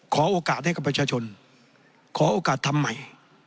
ขอโอกาสให้กับประชาชนขอโอกาสทำใหม่